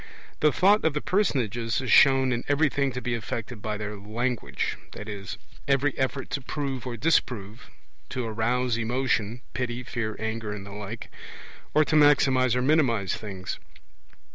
The Thought of the personages is shown in everything to be effected by their language in every effort to prove or disprove, to arouse emotion (pity, fear, anger, and the like), or to maximize or minimize things.